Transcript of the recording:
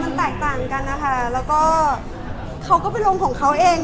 ด้วยว่ามันต่างกันนะคะเขาก็เป็นวงของเขาเอง